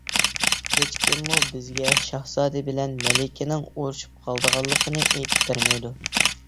ھېچكىممۇ بىزگە شاھزادە بىلەن مەلىكىنىڭ ئۇرۇشۇپ قالىدىغانلىقىنى ئېيتىپ بەرمەيدۇ.